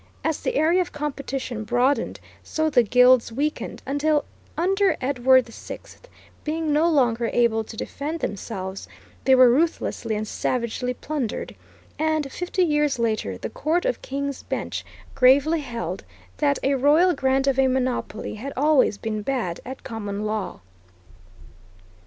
As the area of competition broadened, so the guilds weakened, until, under Edward VI, being no longer able to defend themselves, they were ruthlessly and savagely plundered; and fifty years later the Court of King's Bench gravely held that a royal grant of a monopoly had always been bad at common law.